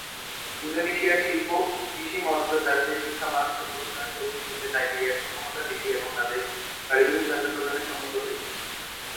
Indonesia, শিল্প, কৃষি, মৎস্য চাষ, শিক্ষা, মানবসম্পদ উন্নয়ন প্রভৃতি ক্ষেত্রে, লাইবেরিয়ার সক্ষমতা বৃদ্ধি এবং তাদের কারিগরি সহায়তা প্রদানে সম্মত হয়েছে।